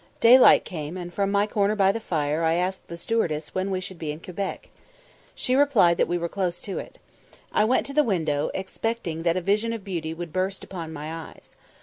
Daylight came, and from my corner by the fire I asked the stewardess when we should be in sight of Quebec? She replied that we were close to it. I went to the window, expecting that a vision of beauty would burst upon my eyes.